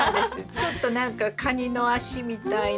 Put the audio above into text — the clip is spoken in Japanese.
ちょっと何かカニの脚みたいな。